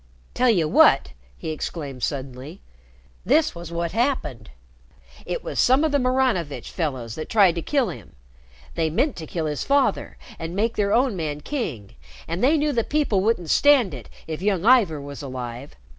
"Tell you what!" he exclaimed suddenly. "This was what happened. It was some of the Maranovitch fellows that tried to kill him. They meant to kill his father and make their own man king, and they knew the people wouldn't stand it if young Ivor was alive.